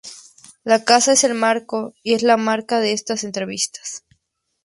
La casa es el marco, y es la marca de estas entrevistas.